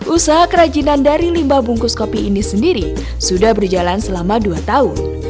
usaha kerajinan dari limbah bungkus kopi ini sendiri sudah berjalan selama dua tahun